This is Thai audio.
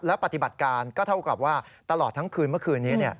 ปฏิบัติการก็เท่ากับว่าตลอดทั้งคืนเมื่อคืนนี้